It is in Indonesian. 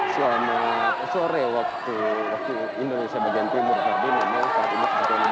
selama sore waktu indonesia bagian timur hari ini saya ingin mengucapkan kepada anda